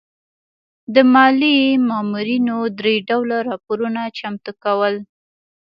د مالیې مامورینو درې ډوله راپورونه چمتو کول.